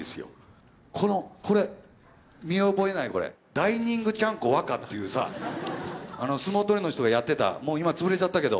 「ダイニングちゃんこ若」っていうさあの相撲取りの人がやってたもう今潰れちゃったけど。